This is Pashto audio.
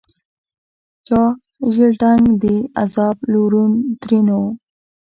چا ژړېدنک دي عذاب لورن؛ ترينو